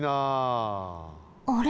あれ？